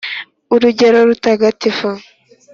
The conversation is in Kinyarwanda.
urugendo rutagatifu (ḥajj)